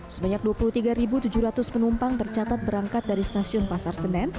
sebanyak dua puluh tiga tujuh ratus penumpang tercatat berangkat dari stasiun pasar senen